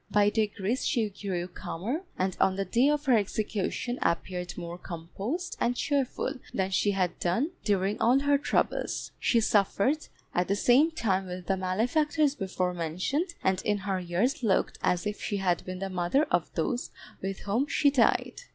By degrees she grew calmer, and on the day of her execution appeared more composed and cheerful than she had done during all her troubles. She suffered at the same time with the malefactors before mentioned, and in her years looked as if she had been the mother of those with whom she died.